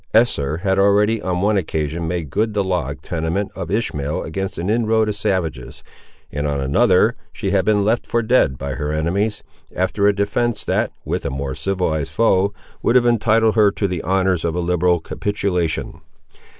Esther had already, on one occasion, made good the log tenement of Ishmael against an inroad of savages; and on another, she had been left for dead by her enemies, after a defence that, with a more civilised foe, would have entitled her to the honours of a liberal capitulation.